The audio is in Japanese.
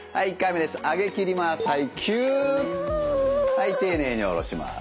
はい丁寧に下ろします。